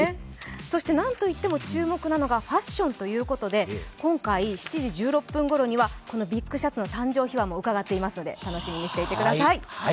何といっても注目なのがファッションということで今回７時１６分ごろにはこのビッグボスの誕生秘話も伺っていきますので楽しみにしていたください。